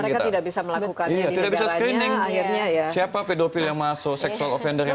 tidak bisa melakukannya akhirnya ya siapa pedofil yang masuk seksual offender yang